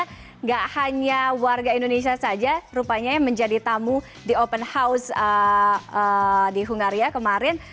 tidak hanya warga indonesia saja rupanya yang menjadi tamu di open house di hungaria kemarin